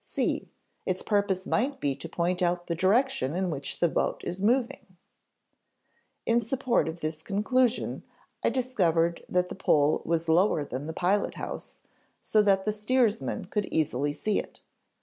(c) Its purpose might be to point out the direction in which the boat is moving. "In support of this conclusion, I discovered that the pole was lower than the pilot house, so that the steersman could easily see it.